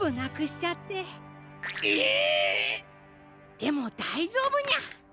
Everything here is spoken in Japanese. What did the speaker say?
でもだいじょうぶニャ！